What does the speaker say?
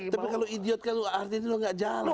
tapi kalau idiot kan artinya lo nggak jalan